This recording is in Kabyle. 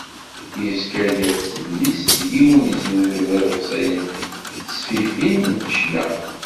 Yezga-d gar tsedlist d yiwen i yeznuzun iḍebsiyen d ttesfifin n ccna.